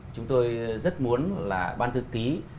chúng tôi rất muốn là ban thư ký